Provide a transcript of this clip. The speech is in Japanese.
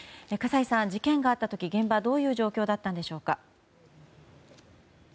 事件があった時現場はどういう状況だったんでしょうか。